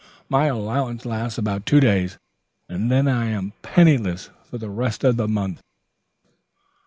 "My allowance lasts about two days, and then I am penniless for the rest of the month."